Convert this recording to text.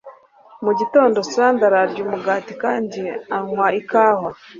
mu gitondo, sandra arya umugati kandi anywa ikawa